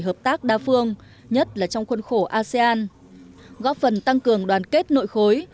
hợp tác đa phương nhất là trong khuôn khổ asean góp phần tăng cường đoàn kết nội khối